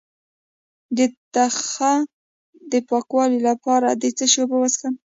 د تخه د پاکوالي لپاره د څه شي اوبه وڅښم؟